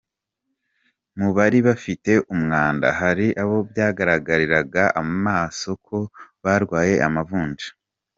Mu bari bafite umwanda hari abo byagaragariraga amaso ko barwaye amavunja.